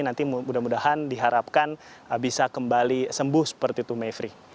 nanti mudah mudahan diharapkan bisa kembali sembuh seperti itu mayfrey